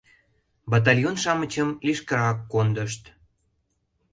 Батальон-шамычым лишкырак кондышт.